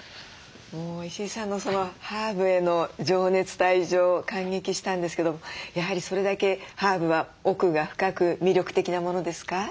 もう石井さんのハーブへの情熱と愛情感激したんですけどやはりそれだけハーブは奥が深く魅力的なものですか？